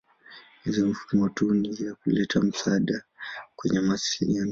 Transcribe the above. Hizo si mifumo tu ya kuleta msaada kwenye mawasiliano.